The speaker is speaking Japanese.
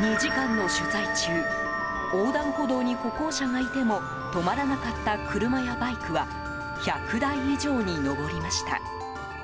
２時間の取材中横断歩道に歩行者がいても止まらなかった車やバイクは１００台以上に上りました。